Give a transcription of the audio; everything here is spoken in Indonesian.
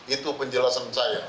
itu penjelasan saya